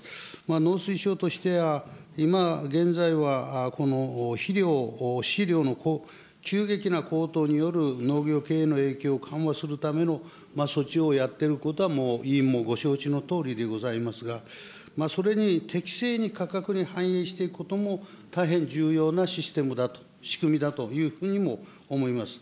農水省としては、今現在はこの肥料、飼料の急激な高騰による農業経営への影響を緩和するための措置をやってることは委員もご承知のとおりでございますが、それに適正に価格に反映していくことも、大変重要なシステムだと、仕組みだというふうにも思います。